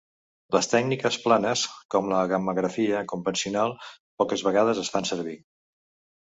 Les tècniques planes, com la gammagrafia convencional, poques vegades es fan servir.